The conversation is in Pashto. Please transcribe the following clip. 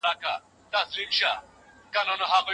د لویې جرګي پرېکړي د هیواد لپاره ولي خورا مهمي دي؟